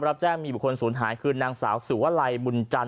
รับแจ้งมีบุคคลศูนย์หายคือนางสาวสุวลัยบุญจันท